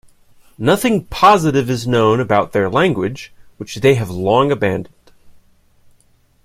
Nothing positive is known about their language, which they have long abandoned.